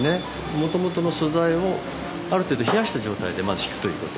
もともとの素材をある程度冷やした状態でまずひくということ。